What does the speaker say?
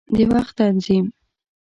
د وخت تنظیم